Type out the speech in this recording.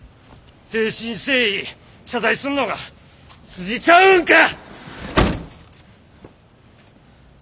誠心誠意謝罪すんのが筋ちゃうんか！